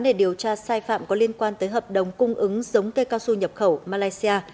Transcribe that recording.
để điều tra sai phạm có liên quan tới hợp đồng cung ứng giống cây cao su nhập khẩu malaysia